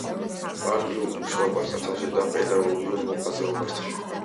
პარტიულ მუშაობას ათავსებდა პედაგოგიურ მოღვაწეობასთან.